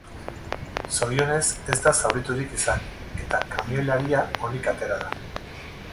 Zorionez, ez da zauriturik izan eta kamioilaria onik atera da.